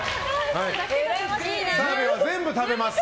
澤部は全部食べます！